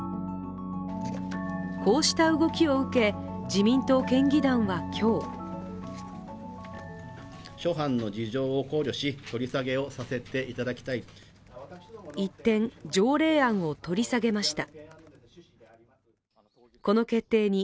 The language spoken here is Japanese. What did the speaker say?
こうした動きを受け、自民党県議団は今日一転、条例案を取り下げました。